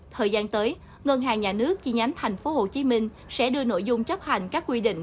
thời gian tới ngân hàng nhà nước chi nhánh tp hcm sẽ đưa nội dung chấp hành các quy định